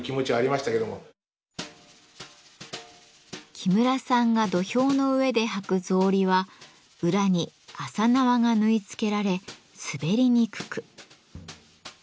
木村さんが土俵の上で履く草履は裏に麻縄が縫い付けられ滑りにくく。